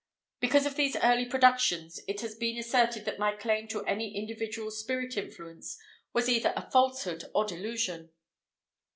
Because of these early productions, it has been asserted that my claim to any individual spirit influence was either a falsehood or delusion.